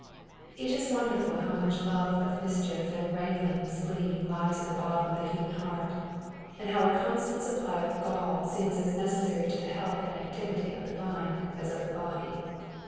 It is wonderful how much love of mis chief and rankling spleen lies at the bottom of the human heart, and how a constant supply of gall seems as neces sary to the health and activity of the mind as of the body.